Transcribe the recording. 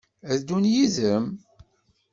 Ad d-ddun yid-m?